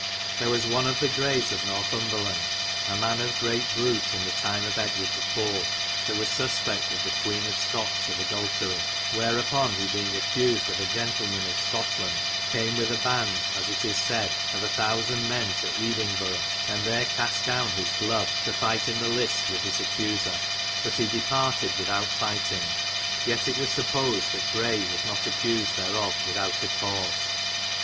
There was one of the Grays of Northumbrelande a man of greate brute in the tyme of Edwarde the 4., that was sus pect with the Quene of Scottes of adulterie. VVherapon he beying accusid of a gentilman of Scotteland cam with a band, as it is saide, of a 1000. men to Edingborow, and there caste down his glove to fight in the listes with his accuser: but he departid withowte fighteting; yet was it supposid, that Gray was not accusid therof withoute a cawse.